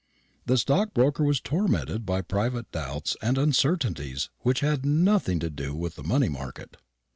The stockbroker was tormented by private doubts and uncertainties which had nothing to do with the money market.